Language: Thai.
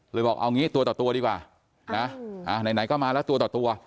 เลยบอกเอานี้ตัวตัวดีกว่าไหนก็มาแล้วตัวตัว